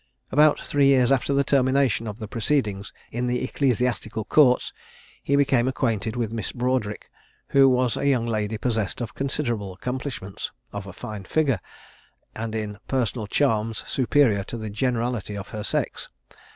About three years after the termination of the proceedings in the Ecclesiastical Courts, he became acquainted with Miss Broadric, who was a young lady possessed of considerable accomplishments, of a fine figure, and in personal charms superior to the generality of her sex.